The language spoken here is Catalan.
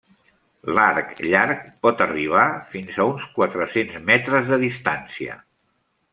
L'arc llarg pot arribar fins a uns quatre-cents metres de distància.